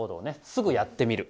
すぐやってみる。